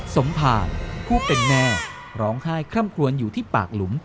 สมผ่านผู้เป็นแม่ร้องไห้คล่ำคลวนอยู่ที่ปากหลุม